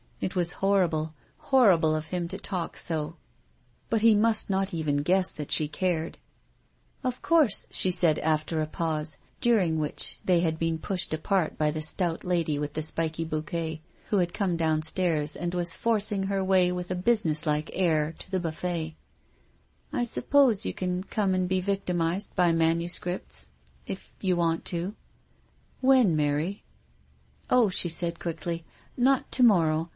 It was horri ble, horrible of him to talk so ; but he must not even guess that she cared. " Of course," she said, after a pause, during which they had been pushed apart by the stout lady with the spiky bouquet, who had come downstairs and was forcing her way with a businesslike air to the buffet, "I suppose you can come and be victimized by manuscripts — if you want to." 292 THE STORY OF A MODERN WOMAN. " When, Mary ?"" Oh," she added quickly, " not to morrow.